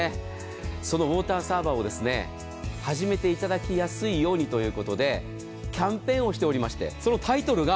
そのウォーターサーバーを始めていただきやすいようにということでキャンペーンをしておりましてそのタイトルが。